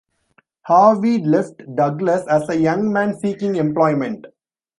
Harvey left Douglas as a young man seeking employment.